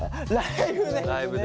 ライブね。